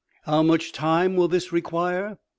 " How much time will this require ?